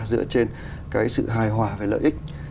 dựa trên sự hài hòa và lợi ích